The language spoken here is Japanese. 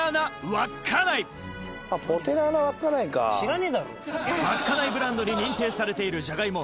稚内ブランドに認定されているじゃがいも